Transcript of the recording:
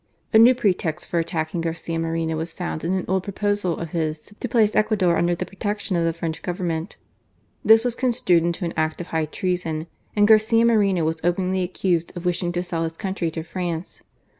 A new pretext for attacking Garcia Moreno was found in an old .proposal of his to place Ecuador under the protec tion of the French Government. This was construed into an act of high treason, and Garcia Moreno was •openly accused of wishing to sell his country to France.